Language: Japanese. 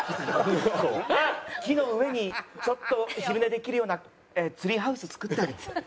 木の上にちょっと昼寝できるようなツリーハウス作ったり。